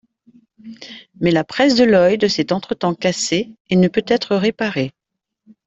Mais la presse de Lloyd s'est entretemps cassée et ne peut être réparée.